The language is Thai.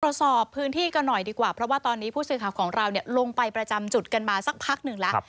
ตรวจสอบพื้นที่กันหน่อยดีกว่าเพราะว่าตอนนี้ผู้สื่อข่าวของเราลงไปประจำจุดกันมาสักพักหนึ่งแล้ว